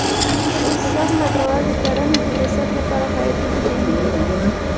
د اوبو سم لګول د کرنې د پایښت لپاره حیاتي مهم دی.